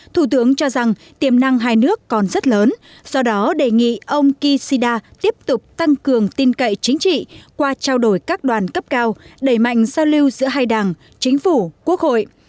thủ tướng cho rằng tiềm năng hai nước còn rất lớn do đó đề nghị ông kishida tiếp tục tăng cường tin cậy chính trị qua trao đổi các đoàn cấp cao đẩy mạnh giao lưu giữa hai đảng chính phủ quốc hội